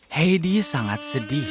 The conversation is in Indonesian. heidi sangat sedih